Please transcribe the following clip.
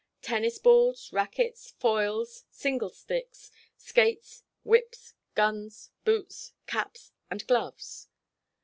Tennis balls, rackets, foils, single sticks, skates, whips, guns, boots, caps, and gloves.